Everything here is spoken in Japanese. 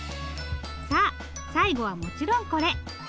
さあ最後はもちろんこれ。